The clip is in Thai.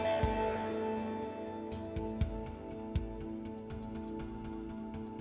สวัสดีครับ